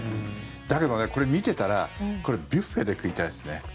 だけどね、これ見てたらビュッフェで食いたいですね。